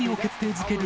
づける